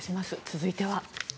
続いては。